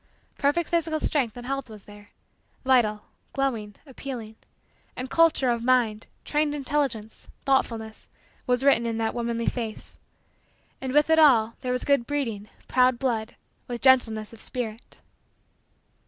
Perfect physical strength and health was there vital, glowing, appealing. And culture of mind, trained intelligence, thoughtfulness, was written in that womanly face. And, with it all, there was good breeding, proud blood, with gentleness of spirit.